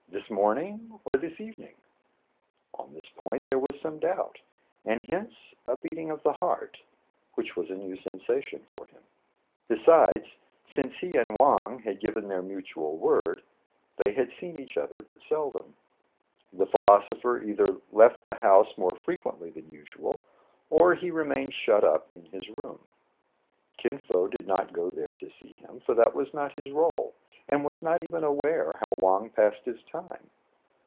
this morning, or this evening ? On this point there was some doubt ; and hence a beating of the heart, which was a new sensation for him. Besides, since he and Wang had given their mutual word, they had seen each other but seldom. The philosopher either left the house more fre quently than usual, or he remained shut up in his room. Kin Fo did not go there to see him, — for that was not his rôle^ — and was not even aware how Wang passed his time.